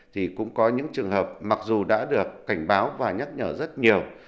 thì cũng có những trường hợp mặc dù đã được cảnh báo và nhắc nhở rất nhiều